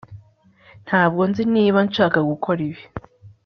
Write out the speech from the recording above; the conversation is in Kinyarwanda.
ntabwo nzi niba nshaka gukora ibi